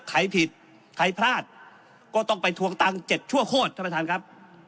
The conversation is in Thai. ใครผิดใครพลาดก็ต้องไปทวงตังค์๗ชั่วโคตรท่านประธานครับ